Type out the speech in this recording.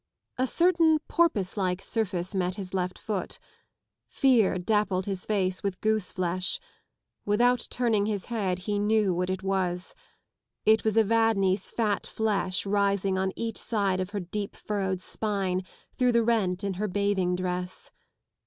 A certain porpoise like surface met his left foot. Fear dappled his face with goose flesh. Without turning his head he knew what it was. It was Evadne's fat flesh rising on each side of her deep*furrowed spine through the rent in her bathing dress.